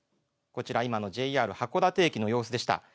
こちら、今のＪＲ函館駅の様子でした。